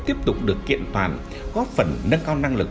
tiếp tục được kiện toàn góp phần nâng cao năng lực